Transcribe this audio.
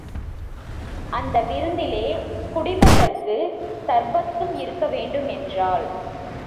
அந்த விருந்திலே குடிப்பதற்குச் சர்பத்தும் இருக்க வேண்டும் என்றாள்.